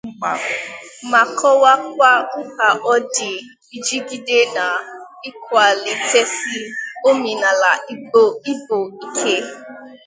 ma kọwakwa mkpà ọ dị ijigide na ịkwàlitesi omenala Igbo ike.